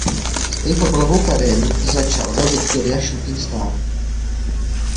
Svoji fotbalovou kariéru začal v Victoria Shooting Star.